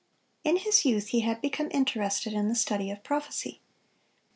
In his youth he had become interested in the study of prophecy.